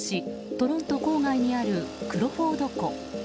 トロント郊外にあるクロフォード湖。